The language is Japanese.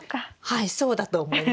はいそうだと思います。